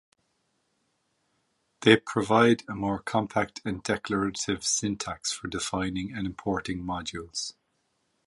They provide a more compact and declarative syntax for defining and importing modules.